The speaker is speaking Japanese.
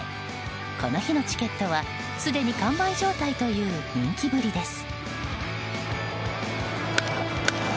この日のチケットは、すでに完売状態という人気ぶりです。